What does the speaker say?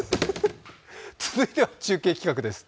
続いては中継企画です。